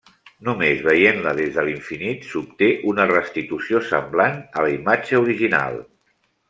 Només veient-la des de l'infinit, s'obté una restitució semblant a la imatge original.